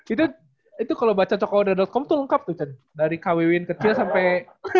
itu itu kalo baca cokowda com tuh lengkap tuh cen dari kawin kecil sampai